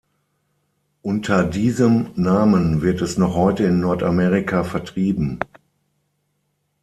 Unter diesem Namen wird es noch heute in Nordamerika vertrieben.